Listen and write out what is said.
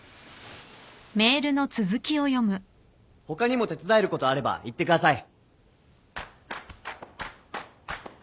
「他にも手伝えることあれば言ってください！」